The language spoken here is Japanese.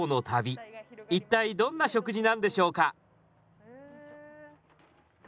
一体どんな食事なんでしょうか。